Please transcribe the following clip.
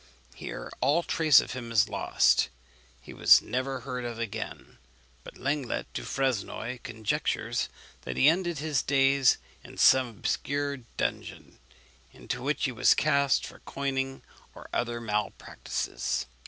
Here all trace of him is lost. He was never heard of again; but Lenglet du Fresnoy conjectures that he ended his days in some obscure dungeon, into which he was cast for coining or other malpractices.